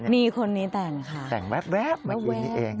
มีคนนี้แต่งค่ะแต่งแว๊บเมื่อคืนนี้เอง